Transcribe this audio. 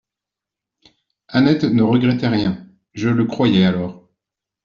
Annette ne regrettait rien : je le croyais alors.